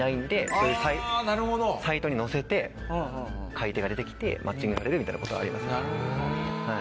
そういうサイトにのせて買い手が出て来てマッチングされるみたいなことありますね。